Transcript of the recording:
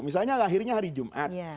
misalnya lahirnya hari jumat